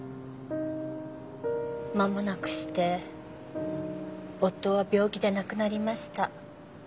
間もなくして夫は病気で亡くなりました。